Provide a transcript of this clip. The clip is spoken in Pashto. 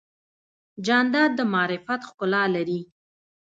جانداد د معرفت ښکلا لري.